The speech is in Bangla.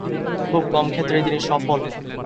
খুব কম ক্ষেত্রেই তিনি সফল।